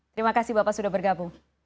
terima kasih bapak sudah bergabung